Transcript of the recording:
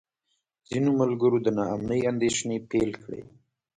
ځینو ملګرو د نا امنۍ اندېښنې پیل کړې.